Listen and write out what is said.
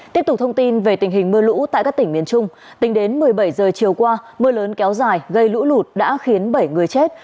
tiếp tục thông tin về tình hình mưa lũ tại các tỉnh miền trung tính đến một mươi bảy giờ chiều qua mưa lớn kéo dài gây lũ lụt đã khiến bảy người chết